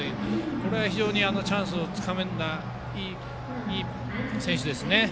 これは非常にチャンスをつかんだいい選手ですね。